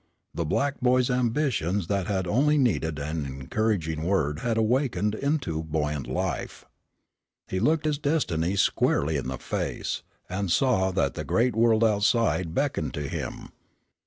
The black boy's ambitions that had only needed an encouraging word had awakened into buoyant life. He looked his destiny squarely in the face, and saw that the great world outside beckoned to him.